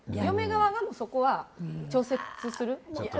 嫁側は、そこは調節する。